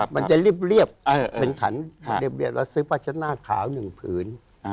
มันจะเรียบเป็นขันเรียบแล้วซื้อพาชะนาขาวหนึ่งผืน